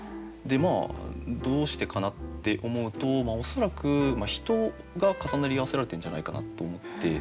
どうしてかな？って思うと恐らく人が重なり合わせられてるんじゃないかなと思って。